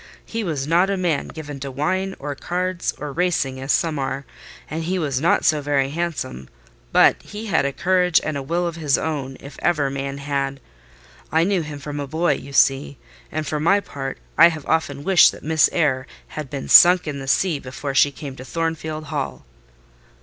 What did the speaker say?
He was not a man given to wine, or cards, or racing, as some are, and he was not so very handsome; but he had a courage and a will of his own, if ever man had. I knew him from a boy, you see: and for my part, I have often wished that Miss Eyre had been sunk in the sea before she came to Thornfield Hall."